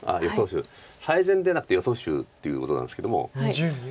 手最善でなくて予想手ということなんですけども。